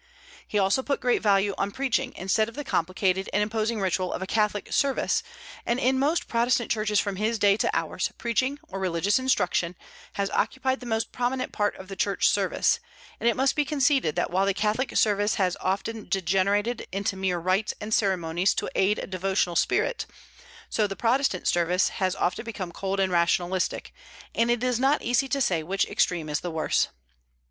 He also put a great value on preaching, instead of the complicated and imposing ritual of the Catholic service; and in most Protestant churches from his day to ours preaching, or religious instruction, has occupied the most prominent part of the church service; and it must be conceded that while the Catholic service has often degenerated into mere rites and ceremonies to aid a devotional spirit, so the Protestant service has often become cold and rationalistic, and it is not easy to say which extreme is the worse.